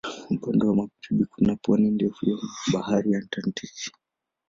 Upande wa magharibi kuna pwani ndefu ya Bahari Atlantiki.